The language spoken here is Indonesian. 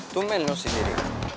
tuh men lo sih jadi